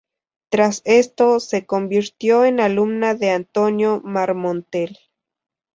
Tras esto, se convirtió en alumna de Antonio Marmontel.